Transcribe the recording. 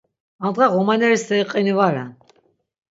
Andğa ğomaneri steri qini va ren.